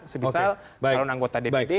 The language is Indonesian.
sebisa calon anggota dpd